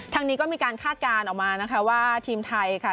ทางนี้ก็มีการคาดการณ์ออกมานะคะว่าทีมไทยค่ะ